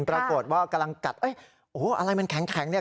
ปรากฏว่ากำลังกัดเอ้ยโอ้โหอะไรมันแข็งเนี่ย